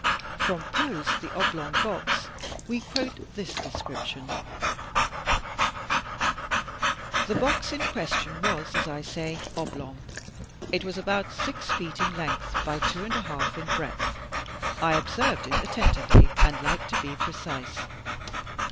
From Poe's "The Oblong Box," we quote this description: The box in question was, as I say, oblong. It was about six feet in length by two and a half in breadth ;— I observed it attentively, and like to be precise.